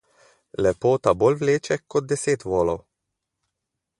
Lepota bolj vleče kot deset volov.